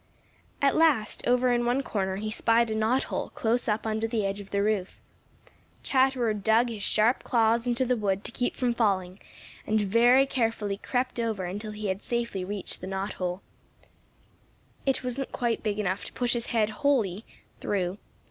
At last, over in one corner, he spied a knothole close up under the edge of the roof. Chatterer dug his sharp claws into the wood to keep from falling and very carefully crept over until he had safely reached the hole. It wasn't quite big enough to push his head wholly; through.